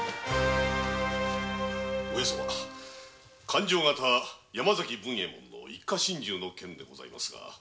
勘定方山崎文右衛門の一家心中でございますが。